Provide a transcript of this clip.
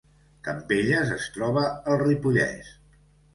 Campelles es troba al Ripollès